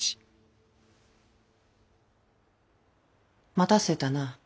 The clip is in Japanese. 待たせたな。